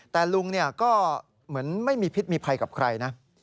แต่ลุงก็เหมือนไม่มีพิษมีภัยกับใครนะ